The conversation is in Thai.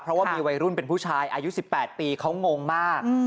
เพราะว่ามีวัยรุ่นเป็นผู้ชายอายุ๑๘ปีเขางงมาก